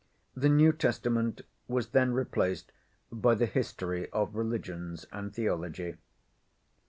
The New Testament was then replaced by the history of religions and theology.